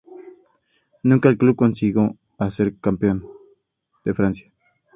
Nunca el club consigo a ser Campeón de Francia.